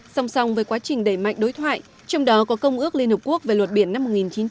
song song với quá trình đẩy mạnh đối thoại trong đó có công ước liên hợp quốc về luật biển năm một nghìn chín trăm tám mươi hai